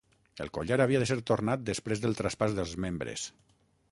El collar havia de ser tornat després del traspàs dels membres.